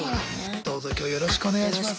どうぞ今日よろしくお願いします。